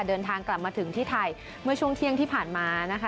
เดินทางกลับมาถึงที่ไทยเมื่อช่วงเที่ยงที่ผ่านมานะคะ